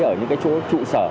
ở những cái trụ sở